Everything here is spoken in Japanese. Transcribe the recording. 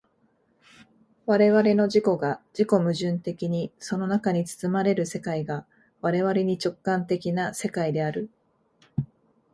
我々の自己が自己矛盾的にその中に包まれる世界が我々に直観的な世界である。